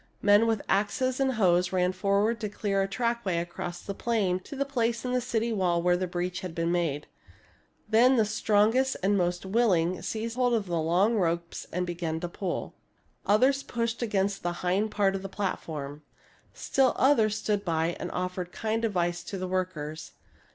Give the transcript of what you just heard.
Men with axes and hoes ran forward to clear a trackway across the plain to the place in the city wall where the breach had been made. Then the strongest and most willing seized hold of the long ropes and began to pull. Others pushed against the hind part of the platform. Still others stood by and offered kind advice to the workers.